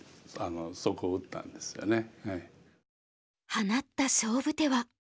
放った勝負手は。